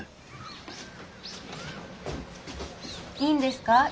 いいんですか？